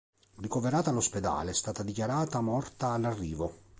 Ricoverata all'ospedale, è stata dichiarata morta all'arrivo.